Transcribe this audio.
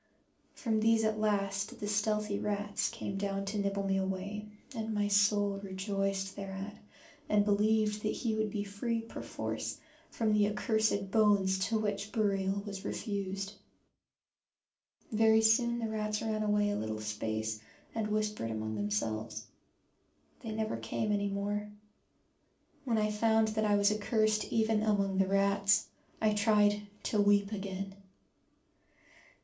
From these at last the stealthy rats came down to nibble me away, and my soul rejoiced thereat and believed that he would be free perforce from the accursed bones to which burial was refused. Very soon the rats ran away a little space and whispered among themselves. They never came any more. When I found that I was accursed even among the rats I tried to weep again.